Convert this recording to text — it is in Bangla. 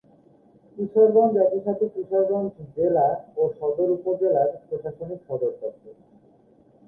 কিশোরগঞ্জ একইসাথে কিশোরগঞ্জ জেলা ও সদর উপজেলার প্রশাসনিক সদর দপ্তর।